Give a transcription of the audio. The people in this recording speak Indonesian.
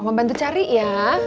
om mau bantu cari ya